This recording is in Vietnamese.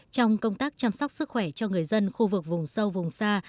trong công tác chăm sóc sức khỏe cho người dân khu vực vùng sâu vùng xa